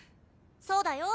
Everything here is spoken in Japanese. そうだよ